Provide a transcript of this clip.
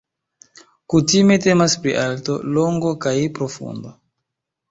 Kutime temas pri alto, longo kaj profundo.